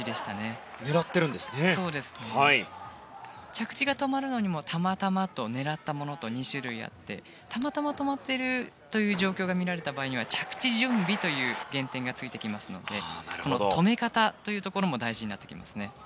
着地が止まるのにもたまたまと狙ったものの２種類があってたまたま止まっているという状況が見られた場合には着地準備という減点がついてきますので止め方というところも大事になってきます。